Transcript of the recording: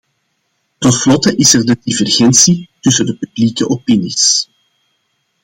Tenslotte is er de divergentie tussen de publieke opinies.